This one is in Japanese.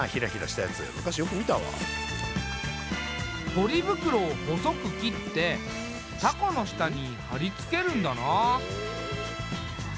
ポリ袋を細く切ってたこの下に貼りつけるんだな。